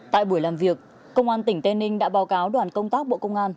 tại buổi làm việc công an tỉnh tây ninh đã báo cáo đoàn công tác bộ công an